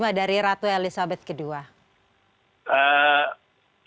bapak terima dari ratu elisabeth ii